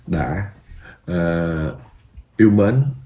đã yêu mến